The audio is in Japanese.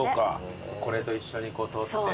これと一緒にこう撮って。